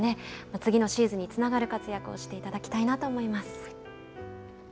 次のシーズンにつながる活躍をしていただきたいなと思います。